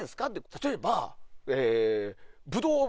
例えば。